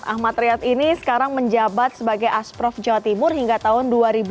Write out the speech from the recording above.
ahmad riyad ini sekarang menjabat sebagai asprof jawa timur hingga tahun dua ribu dua puluh